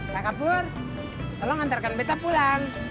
kak kapur tolong antarkan beta pulang